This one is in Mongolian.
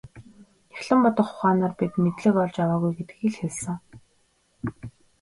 Нягтлан бодох ухаанаар бид мэдлэг олж аваагүй гэдгийг л хэлсэн.